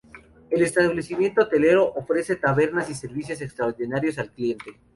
El establecimiento hotelero ofrece tabernas y servicios extraordinarios al cliente.